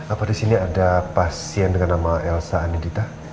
apa di sini ada pasien dengan nama elsa anindita